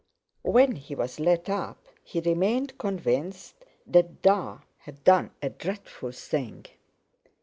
When he was let up he remained convinced that "Da" had done a dreadful thing.